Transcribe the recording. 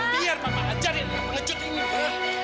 biar papa ajarin dia